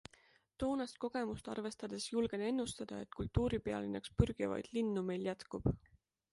Toonast kogemust arvestades julgen ennustada, et kultuuripealinnaks pürgivaid linnu meil jätkub.